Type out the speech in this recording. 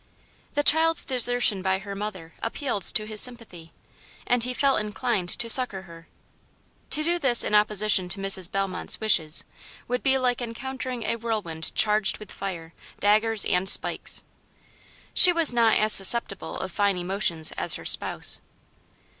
The child's desertion by her mother appealed to his sympathy, and he felt inclined to succor her. To do this in opposition to Mrs. Bellmont's wishes, would be like encountering a whirlwind charged with fire, daggers and spikes. She was not as susceptible of fine emotions as her spouse.